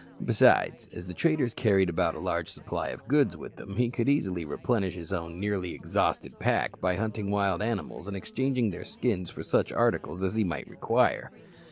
Besides, as the traders carried about a large supply of goods with them, he could easily replenish his own nearly exhausted pack by hunting wild animals and exchanging their skins for such articles as he might require.